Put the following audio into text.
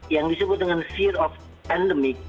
yang disebut dengan fear of pandemic